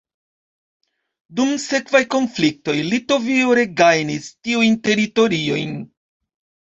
Dum sekvaj konfliktoj Litovio regajnis tiujn teritoriojn.